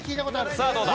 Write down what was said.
さあどうだ？